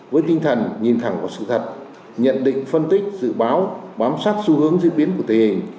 với tinh thần nhìn thẳng vào sự thật nhận định phân tích dự báo bám sát xu hướng diễn biến của tình hình